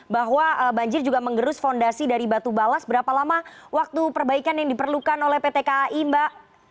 bahwa banjir juga mengerus fondasi dari batu balas berapa lama waktu perbaikan yang diperlukan oleh pt kai mbak